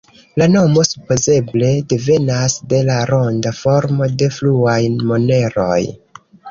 La nomo supozeble devenas de la ronda formo de fruaj moneroj.